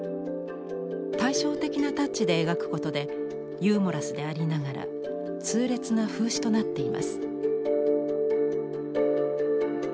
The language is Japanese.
対照的なタッチで描くことでユーモラスでありながら痛烈な風刺となっています。